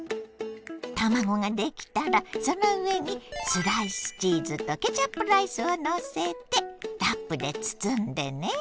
卵ができたらその上にスライスチーズとケチャップライスをのせてラップで包んでね。